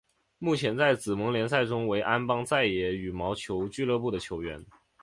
目前在紫盟联赛中为安邦再也羽毛球俱乐部的球员。